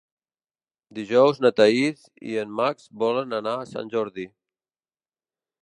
Dijous na Thaís i en Max volen anar a Sant Jordi.